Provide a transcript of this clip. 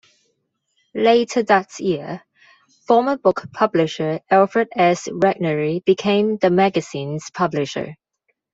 Later that year, former book publisher Alfred S. Regnery became the magazine's publisher.